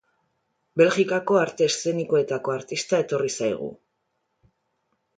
Belgikako arte eszenikoetako artista etorri zaigu.